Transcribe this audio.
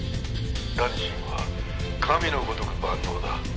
「ラニシンは神のごとく万能だ」